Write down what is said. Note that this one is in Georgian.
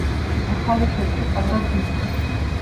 ახალი ცოცხი კარგად გვისო.